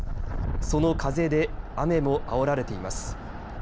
その風で雨もあおられています。